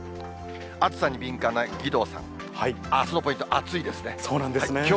暑さに敏感な義堂さん、あすのポイント、暑いですね。